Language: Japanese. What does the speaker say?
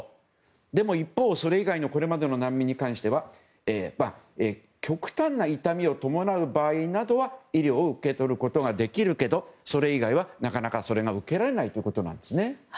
でも一方、それ以外のこれまでの難民に関しては極端な痛みを伴う場合などは医療を受け取ることができるけどそれ以外はなかなかそれが受けられないということなんです。